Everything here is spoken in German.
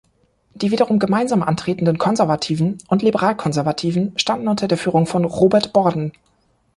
Die wiederum gemeinsam antretenden Konservativen und Liberal-Konservativen standen unter der Führung von Robert Borden.